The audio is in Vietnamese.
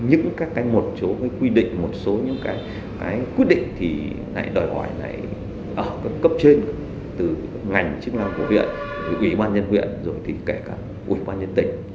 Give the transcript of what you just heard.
những một số quy định một số quy định đòi gọi cấp trên từ ngành chức năng của huyện ủy quan nhân huyện kể cả ủy quan nhân tỉnh